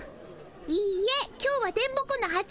いいえ今日は電ボ子のはつぶたい。